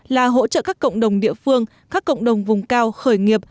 là hỗ trợ các cộng đồng địa phương các cộng đồng vùng cao khởi nghiệp